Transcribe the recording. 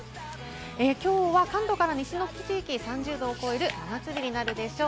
きょうは関東から西の地域、３０度を超える真夏日になるでしょう。